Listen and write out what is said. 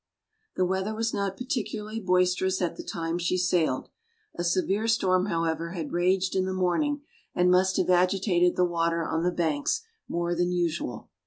The weather was not particularly boisterous at the time she sailed. A severe storm however, had raged in the morning and must have agitated the water on the Banks more than usual.